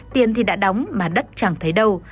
tiền thì đã đóng mà đất chẳng thấy đâu